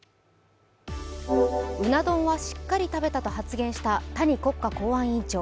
うな丼はしっかり食べたと発言した谷国家公安委員長。